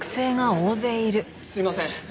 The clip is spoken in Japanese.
すいません。